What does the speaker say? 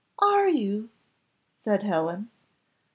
"Are you?" said Helen.